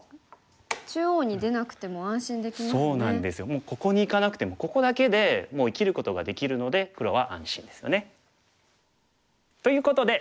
もうここにいかなくてもここだけでもう生きることができるので黒は安心ですよね。ということで。